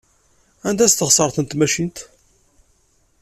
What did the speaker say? Anda-tt teɣsert n tmacint?